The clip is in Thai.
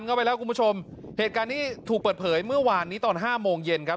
เข้าไปแล้วคุณผู้ชมเหตุการณ์นี้ถูกเปิดเผยเมื่อวานนี้ตอนห้าโมงเย็นครับ